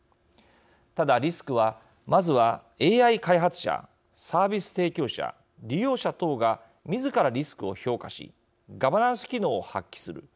ただリスクはまずはＡＩ開発者サービス提供者利用者等がみずからリスクを評価しガバナンス機能を発揮する。